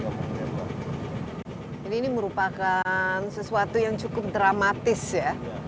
ini merupakan sesuatu yang cukup dramatis ya